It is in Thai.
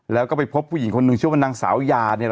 แล้วก็ไปพบผู้หญิงคนหนึ่งชื่อว่านางสาวยาเนี่ย